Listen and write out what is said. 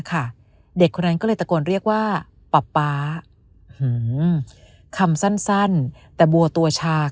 เด็กคนนั้นก็เลยตะโกนเรียกว่าป๊าป๊าคำสั้นแต่บัวตัวชา